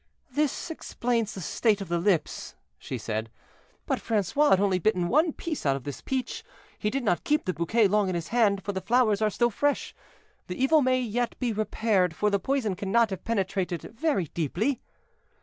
"This explains the state of the lips," she said; "but Francois had only bitten one piece out of this peach. He did not keep the bouquet long in his hand, for the flowers are still fresh; the evil may yet be repaired, for the poison cannot have penetrated very deeply.